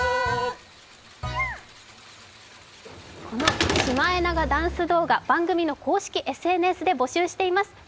このシマエナガダンス動画番組の公式ＳＮＳで募集しています。